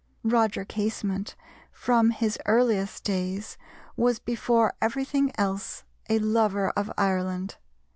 Roger Casement from his earliest days was before everything else a lover of Ireland.